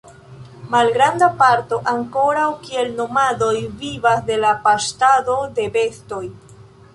Malgranda parto ankoraŭ kiel nomadoj vivas de la paŝtado de bestoj.